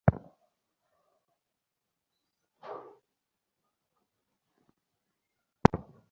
তাঁর সম্পূর্ণ রোগমুক্তির জন্য আমি নিরন্তর প্রার্থনা করি।